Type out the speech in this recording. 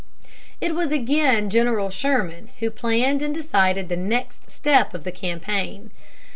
It was again General Sherman who planned and decided the next step of the campaign.